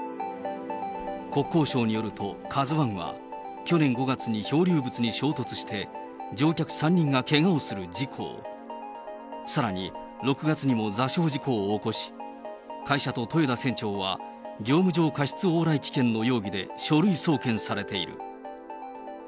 国交省によるとカズワンは、去年５月に漂流物に衝突して、乗客３人がけがをする事故を、さらに６月にも座礁事故を起こし、会社と豊田船長は業務上過失往来危険の容疑で書類送検されている。